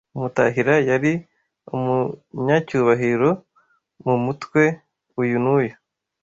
UmutahiraYari umunyacyubahiro mu mutwe uyu n’uyu